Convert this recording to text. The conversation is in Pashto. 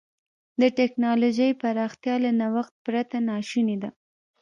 د ټکنالوجۍ پراختیا له نوښت پرته ناشونې ده.